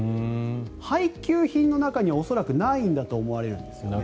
配給品の中には恐らくないんだと思われるんですよね。